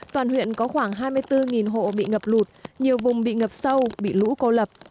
toàn huyện có khoảng hai mươi bốn hộ bị ngập lụt nhiều vùng bị ngập sâu bị lũ cô lập